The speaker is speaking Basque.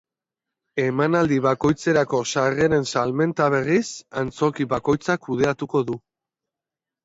Emanaldi bakoitzerako sarreren salmenta, berriz, antzoki bakoitzak kudeatuko du.